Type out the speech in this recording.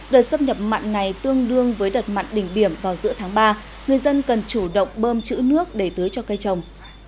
đợt xâm nhập mặn này tương đương với đợt mặn đỉnh điểm vào giữa tháng ba người dân cần chủ động bơm chữ nước để tưới cho cây trồng